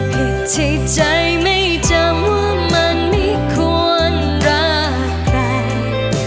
ผิดที่ใจไม่จำว่ามันไม่ควรรักใคร